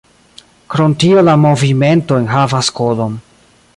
Krom tio la movimento enhavas kodon.